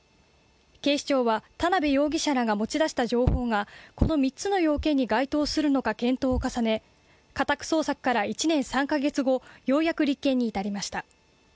警視庁は、田辺容疑者らが持ち出した情報がこの３つの要件に該当するのか検討を重ね家宅捜索から１年３か月後、ようやく立件に至りました。